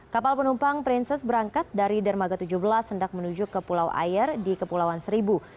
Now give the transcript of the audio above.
kapal penumpang princess berangkat dari dermaga tujuh belas hendak menuju ke pulau air di kepulauan seribu